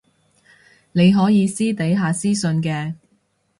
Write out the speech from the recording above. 你可以私底下私訊嘅